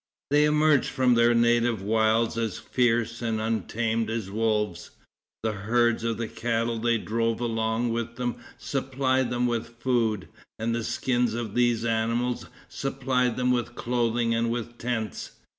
They emerged from their native wilds as fierce and untamed as wolves. The herds of cattle they drove along with them supplied them with food, and the skins of these animals supplied them with clothing and with tents.